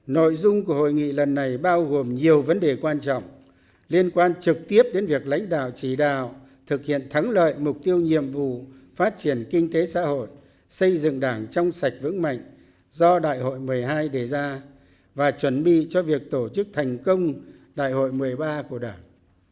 nội dung của hội nghị lần này bao gồm nhiều vấn đề quan trọng liên quan trực tiếp đến việc lãnh đạo chỉ đạo thực hiện thắng lợi mục tiêu nhiệm vụ phát triển kinh tế xã hội xây dựng đảng trong sạch vững mạnh do đại hội một mươi hai đề ra và chuẩn bị cho việc tổ chức thành công đại hội một mươi ba của đảng